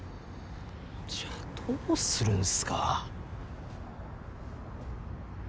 じゃあどうするんすか？